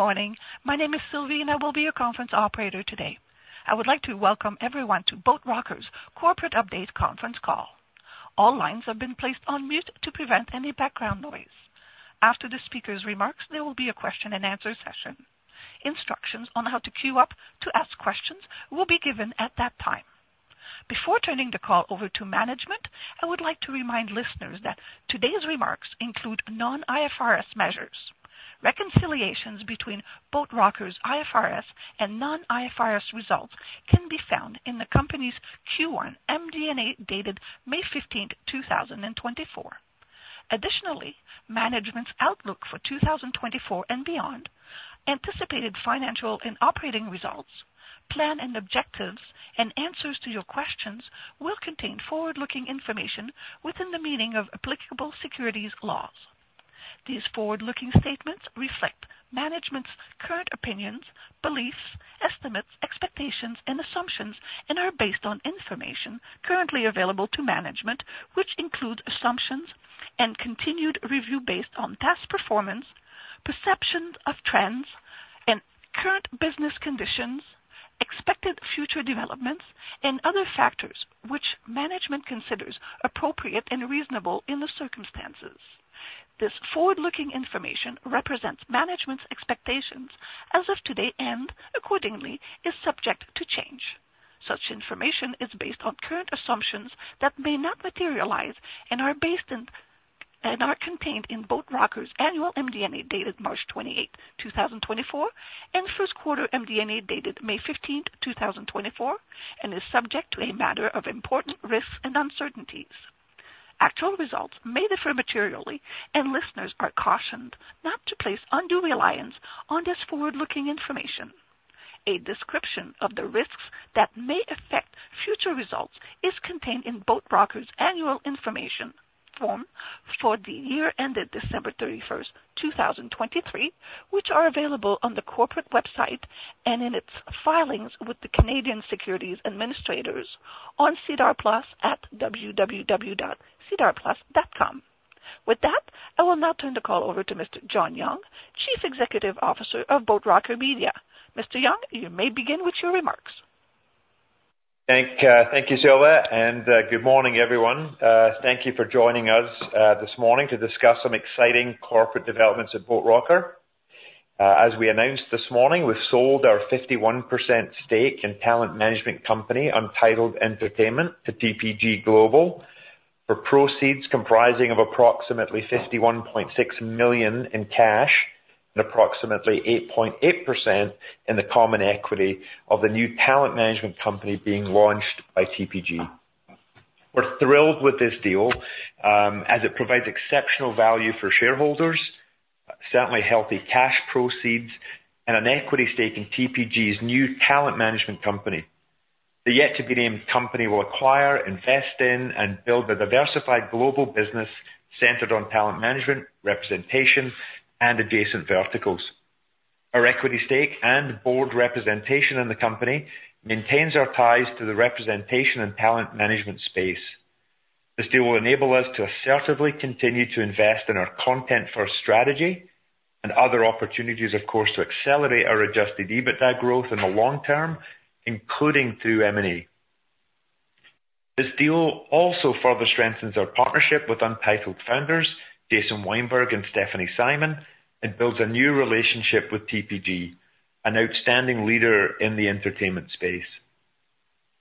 Good morning. My name is Sylvie, and I will be your conference operator today. I would like to welcome everyone to Boat Rocker's Corporate Update Conference Call. All lines have been placed on mute to prevent any background noise. After the speaker's remarks, there will be a question-and-answer session. Instructions on how to queue up to ask questions will be given at that time. Before turning the call over to management, I would like to remind listeners that today's remarks include non-IFRS measures. Reconciliations between Boat Rocker's IFRS and non-IFRS results can be found in the company's Q1 MD&A dated May 15, 2024. Additionally, Management's Outlook for 2024 and beyond, Anticipated Financial and Operating Results, Plan and Objectives, and Answers to Your Questions will contain forward-looking information within the meaning of applicable securities laws. These forward-looking statements reflect management's current opinions, beliefs, estimates, expectations, and assumptions, and are based on information currently available to management, which includes assumptions and continued review based on past performance, perceptions of trends, and current business conditions, expected future developments, and other factors which management considers appropriate and reasonable in the circumstances. This forward-looking information represents management's expectations as of today and, accordingly, is subject to change. Such information is based on current assumptions that may not materialize and are contained in Boat Rocker's annual MD&A dated March 28, 2024, and first quarter MD&A dated May 15, 2024, and is subject to a matter of important risks and uncertainties. Actual results may differ materially, and listeners are cautioned not to place undue reliance on this forward-looking information. A description of the risks that may affect future results is contained in Boat Rocker's annual information form for the year ended December 31, 2023, which are available on the corporate website and in its filings with the Canadian Securities Administrators on SEDAR+ at www.sedarplus.ca. With that, I will now turn the call over to Mr. John Young, Chief Executive Officer of Boat Rocker Media. Mr. Young, you may begin with your remarks. Thank you, Sylvie, and good morning, everyone. Thank you for joining us this morning to discuss some exciting corporate developments at Boat Rocker. As we announced this morning, we've sold our 51% stake in talent management company Untitled Entertainment to TPG for proceeds comprising of approximately $51.6 million in cash and approximately 8.8% in the common equity of the new talent management company being launched by TPG. We're thrilled with this deal as it provides exceptional value for shareholders, certainly healthy cash proceeds, and an equity stake in TPG's new talent management company. The yet-to-be-named company will acquire, invest in, and build a diversified global business centered on talent management, representation, and adjacent verticals. Our equity stake and board representation in the company maintains our ties to the representation and talent management space. This deal will enable us to assertively continue to invest in our content-first strategy and other opportunities, of course, to accelerate our Adjusted EBITDA growth in the long term, including through M&A. This deal also further strengthens our partnership with Untitled's founders, Jason Weinberg and Stephanie Simon, and builds a new relationship with TPG, an outstanding leader in the entertainment space.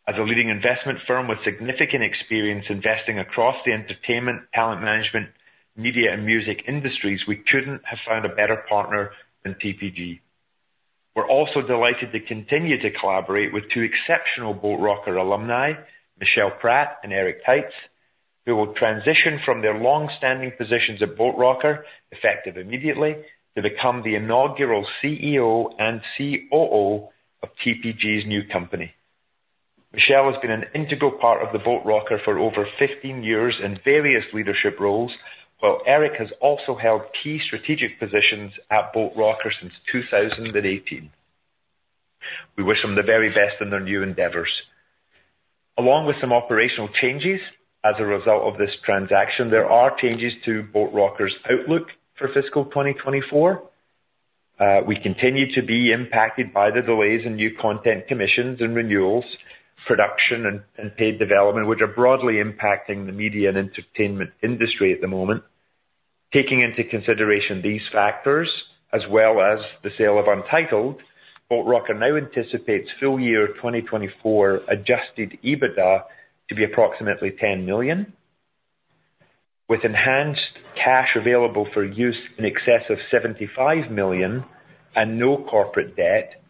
As a leading investment firm with significant experience investing across the entertainment, talent management, media, and music industries, we couldn't have found a better partner than TPG. We're also delighted to continue to collaborate with two exceptional Boat Rocker alumni, Michel Pratte and Eric Taitz, who will transition from their long-standing positions at Boat Rocker, effective immediately, to become the inaugural CEO and COO of TPG's new company. Michel has been an integral part of the Boat Rocker for over 15 years in various leadership roles, while Eric has also held key strategic positions at Boat Rocker since 2018. We wish them the very best in their new endeavors. Along with some operational changes as a result of this transaction, there are changes to Boat Rocker's outlook for fiscal 2024. We continue to be impacted by the delays in new content commissions and renewals, production and paid development, which are broadly impacting the media and entertainment industry at the moment. Taking into consideration these factors, as well as the sale of Untitled, Boat Rocker now anticipates full year 2024 Adjusted EBITDA to be approximately $10 million. With enhanced cash available for use in excess of $75 million and no corporate debt,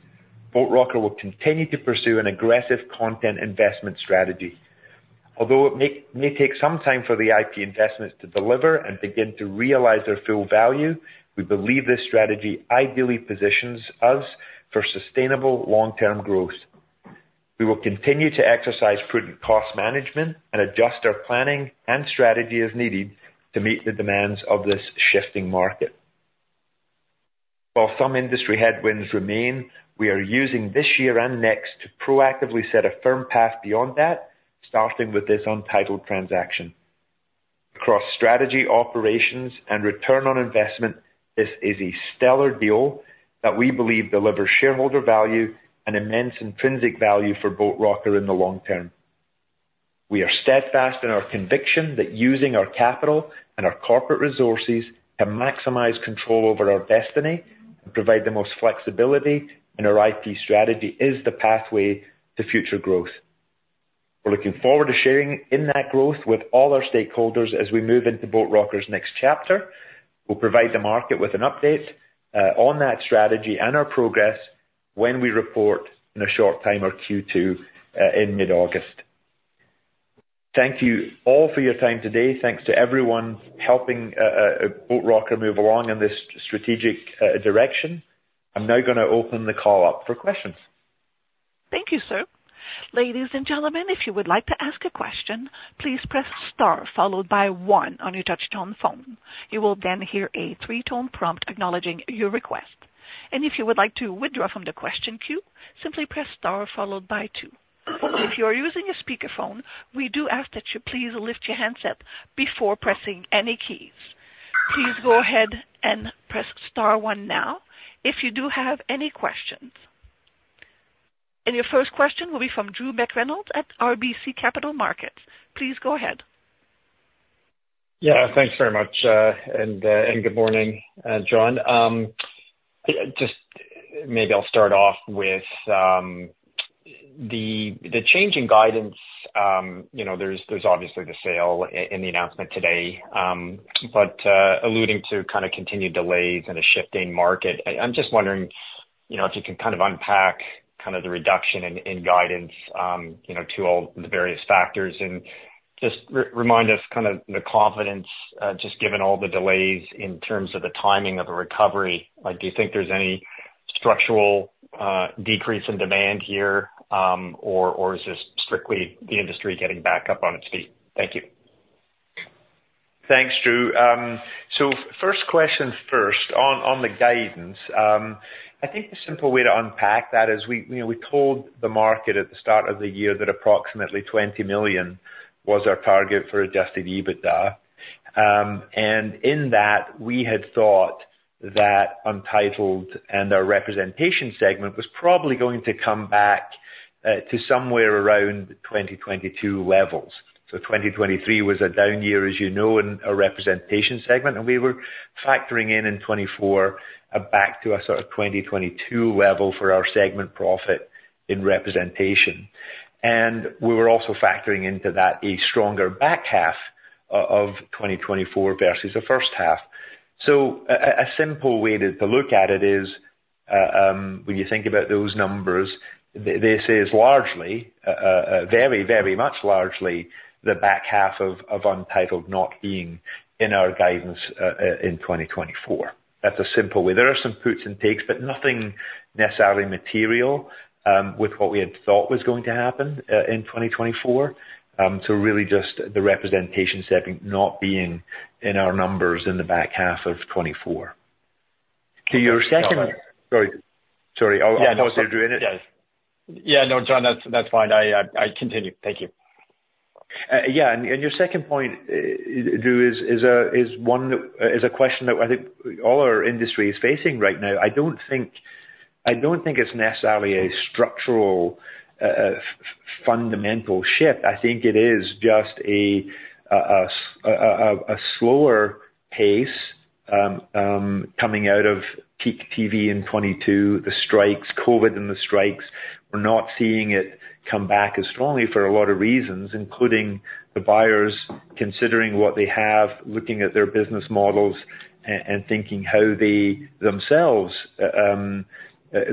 Boat Rocker will continue to pursue an aggressive content investment strategy. Although it may take some time for the IP investments to deliver and begin to realize their full value, we believe this strategy ideally positions us for sustainable long-term growth. We will continue to exercise prudent cost management and adjust our planning and strategy as needed to meet the demands of this shifting market. While some industry headwinds remain, we are using this year and next to proactively set a firm path beyond that, starting with this Untitled transaction. Across strategy, operations, and return on investment, this is a stellar deal that we believe delivers shareholder value and immense intrinsic value for Boat Rocker in the long term. We are steadfast in our conviction that using our capital and our corporate resources to maximize control over our destiny and provide the most flexibility in our IP strategy is the pathway to future growth. We're looking forward to sharing in that growth with all our stakeholders as we move into Boat Rocker's next chapter. We'll provide the market with an update on that strategy and our progress when we report in a short time, our Q2 in mid-August. Thank you all for your time today. Thanks to everyone helping Boat Rocker move along in this strategic direction. I'm now going to open the call up for questions. Thank you, sir. Ladies and gentlemen, if you would like to ask a question, please press Star followed by One on your touch-tone phone. You will then hear a three-tone prompt acknowledging your request. If you would like to withdraw from the question queue, simply press Star followed by Two. If you are using a speakerphone, we do ask that you please lift your handset before pressing any keys. Please go ahead and press Star One now if you do have any questions. Your first question will be from Drew McReynolds at RBC Capital Markets. Please go ahead. Yeah, thanks very much. Good morning, John. Just maybe I'll start off with the change in guidance. There's obviously the sale in the announcement today, but alluding to kind of continued delays and a shifting market, I'm just wondering if you can kind of unpack kind of the reduction in guidance to all the various factors and just remind us kind of the confidence just given all the delays in terms of the timing of the recovery. Do you think there's any structural decrease in demand here, or is this strictly the industry getting back up on its feet? Thank you. Thanks, Drew. So first question first on the guidance. I think the simple way to unpack that is we told the market at the start of the year that approximately $20 million was our target for Adjusted EBITDA. And in that, we had thought that Untitled and our representation segment was probably going to come back to somewhere around 2022 levels. So 2023 was a down year, as you know, in our representation segment, and we were factoring in in 2024 back to a sort of 2022 level for our segment profit in representation. And we were also factoring into that a stronger back half of 2024 versus the first half. So a simple way to look at it is when you think about those numbers, this is largely, very, very much largely, the back half of Untitled not being in our guidance in 2024. That's a simple way. There are some puts and takes, but nothing necessarily material with what we had thought was going to happen in 2024. So really just the representation segment not being in our numbers in the back half of 2024. To your second. Sorry. Sorry. Yeah, no. I apologize, Drew. Yeah, no, John, that's fine. I continue. Thank you. Yeah. And your second point, Drew, is a question that I think all our industry is facing right now. I don't think it's necessarily a structural fundamental shift. I think it is just a slower pace coming out of peak TV in 2022, the strikes, COVID, and the strikes. We're not seeing it come back as strongly for a lot of reasons, including the buyers considering what they have, looking at their business models, and thinking how they themselves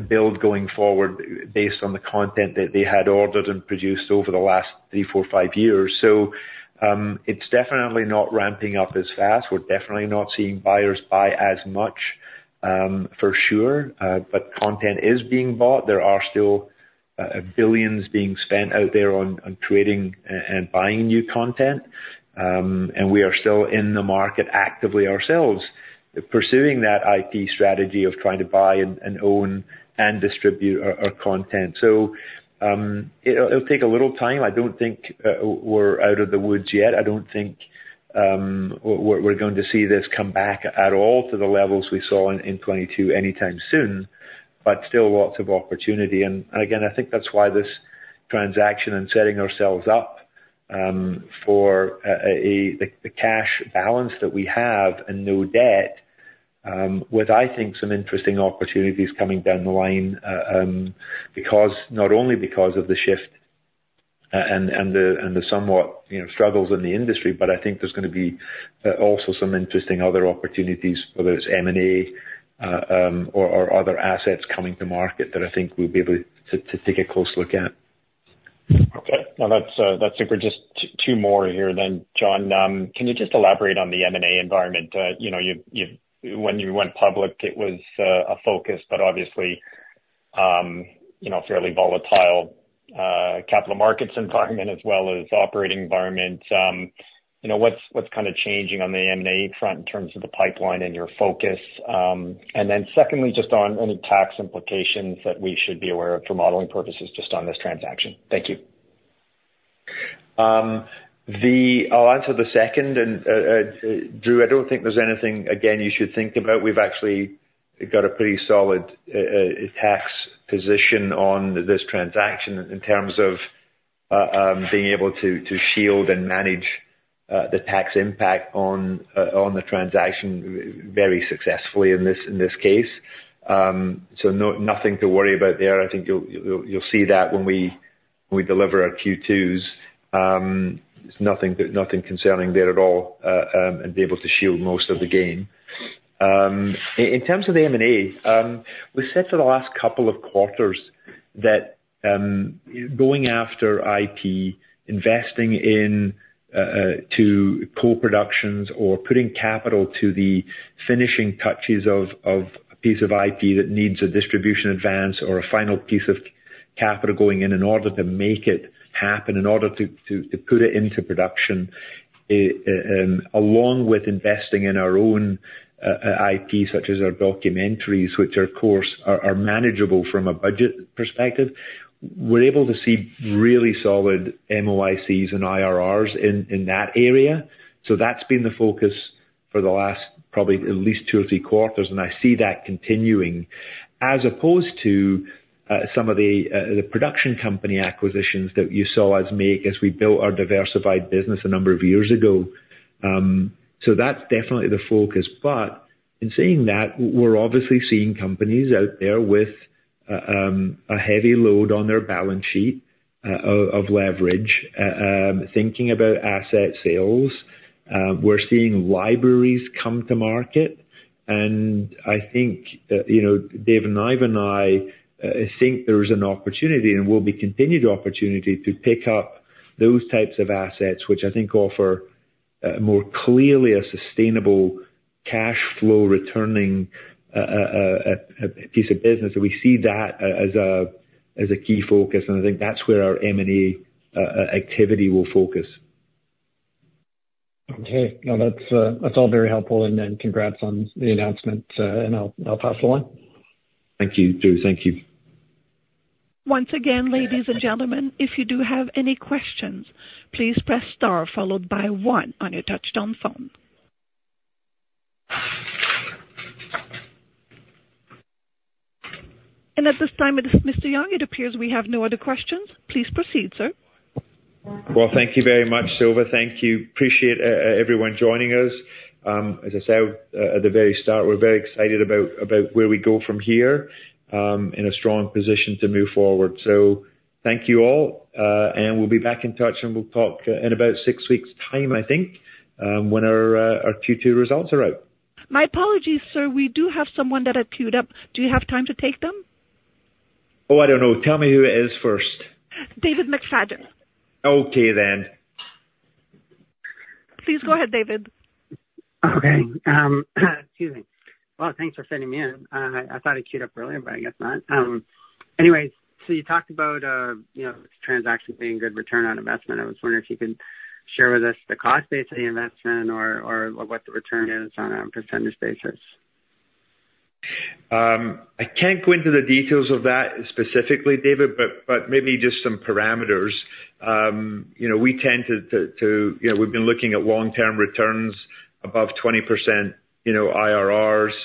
build going forward based on the content that they had ordered and produced over the last three, four, five years. So it's definitely not ramping up as fast. We're definitely not seeing buyers buy as much for sure, but content is being bought. There are still billions being spent out there on creating and buying new content. We are still in the market actively ourselves pursuing that IP strategy of trying to buy and own and distribute our content. So it'll take a little time. I don't think we're out of the woods yet. I don't think we're going to see this come back at all to the levels we saw in 2022 anytime soon, but still lots of opportunity. And again, I think that's why this transaction and setting ourselves up for the cash balance that we have and no debt with, I think, some interesting opportunities coming down the line not only because of the shift and the somewhat struggles in the industry, but I think there's going to be also some interesting other opportunities, whether it's M&A or other assets coming to market that I think we'll be able to take a close look at. Okay. Well, that's super, just two more here then, John. Can you just elaborate on the M&A environment? When you went public, it was a focus, but obviously a fairly volatile capital markets environment as well as operating environment. What's kind of changing on the M&A front in terms of the pipeline and your focus? And then secondly, just on any tax implications that we should be aware of for modeling purposes just on this transaction. Thank you. I'll answer the second. And Drew, I don't think there's anything, again, you should think about. We've actually got a pretty solid tax position on this transaction in terms of being able to shield and manage the tax impact on the transaction very successfully in this case. So nothing to worry about there. I think you'll see that when we deliver our Q2s. There's nothing concerning there at all and be able to shield most of the gain. In terms of the M&A, we said for the last couple of quarters that going after IP, investing to co-productions or putting capital to the finishing touches of a piece of IP that needs a distribution advance or a final piece of capital going in in order to make it happen, in order to put it into production, along with investing in our own IP, such as our documentaries, which are, of course, manageable from a budget perspective, we're able to see really solid MOICs and IRRs in that area. So that's been the focus for the last probably at least two or three quarters. I see that continuing as opposed to some of the production company acquisitions that you saw us make as we built our diversified business a number of years ago. So that's definitely the focus. But in saying that, we're obviously seeing companies out there with a heavy load on their balance sheet of leverage, thinking about asset sales. We're seeing libraries come to market. And I think Dave and I think there is an opportunity and will be continued opportunity to pick up those types of assets, which I think offer more clearly a sustainable cash flow returning piece of business. We see that as a key focus. And I think that's where our M&A activity will focus. Okay. No, that's all very helpful. Congrats on the announcement. I'll pass the line. Thank you, Drew. Thank you. Once again, ladies and gentlemen, if you do have any questions, please press Star followed by One on your touch-tone phone. And at this time, Mr. Young, it appears we have no other questions. Please proceed, sir. Well, thank you very much, Sylvie. Thank you. Appreciate everyone joining us. As I said at the very start, we're very excited about where we go from here in a strong position to move forward. So thank you all. We'll be back in touch. We'll talk in about six weeks' time, I think, when our Q2 results are out. My apologies, sir. We do have someone that had queued up. Do you have time to take them? Oh, I don't know. Tell me who it is first. David McFadden. Okay then. Please go ahead, David. Okay. Excuse me. Well, thanks for sending me in. I thought it queued up earlier, but I guess not. Anyways, so you talked about the transaction being good return on investment. I was wondering if you could share with us the cost base of the investment or what the return is on a percentage basis. I can't go into the details of that specifically, David, but maybe just some parameters. We've been looking at long-term returns above 20% IRRs.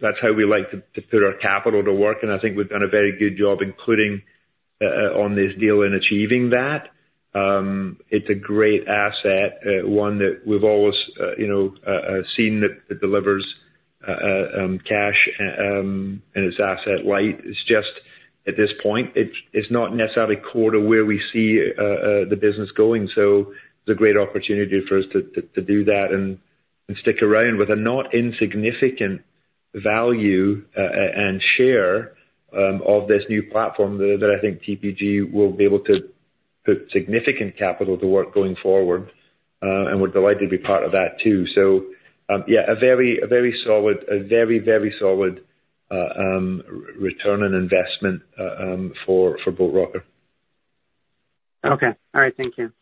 That's how we like to put our capital to work. I think we've done a very good job, including on this deal in achieving that. It's a great asset, one that we've always seen that delivers cash and it's asset light. It's just at this point, it's not necessarily core to where we see the business going. So it's a great opportunity for us to do that and stick around with a not insignificant value and share of this new platform that I think TPG will be able to put significant capital to work going forward. We're delighted to be part of that too. So yeah, a very solid, a very, very solid return on investment for Boat Rocker. Okay. All right. Thank you.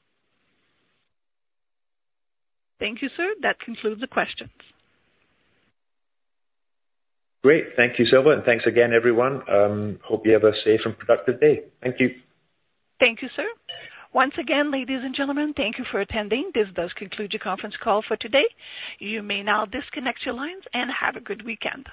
Thank you, sir. That concludes the questions. Great. Thank you, Sylvie. Thanks again, everyone. Hope you have a safe and productive day. Thank you. Thank you, sir. Once again, ladies and gentlemen, thank you for attending. This does conclude your conference call for today. You may now disconnect your lines and have a good weekend.